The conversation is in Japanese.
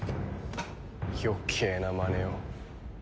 余計なまねを。